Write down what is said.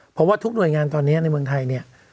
เพราะว่าทุกหน่วยงานตอนนี้ในเมืองไทยเนี่ย